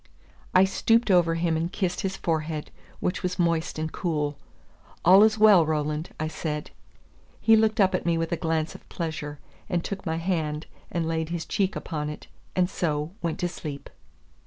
I stooped over him and kissed his forehead, which was moist and cool. "All is well, Roland," I said. He looked up at me with a glance of pleasure, and took my hand and laid his cheek upon it, and so went to sleep.